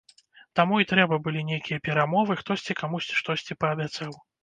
Таму і трэба былі нейкія перамовы, хтосьці камусьці штосьці паабяцаў.